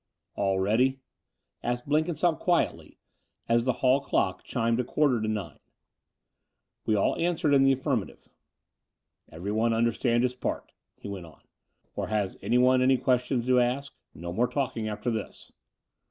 "All ready?" asked Blenkinsopp quietly, as the hall clock chimed a quarter to nine. We all answered in the affirmative. "Everyone understand his part?" he went on: "or has any one any questions to ask? No more talking after this."